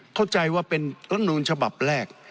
เข้าใจว่าเป็นละตำนูนฉบับแรก